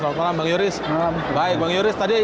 bapak setelah bantul pusul pusul kandil